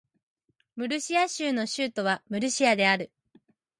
ムルシア州の州都はムルシアである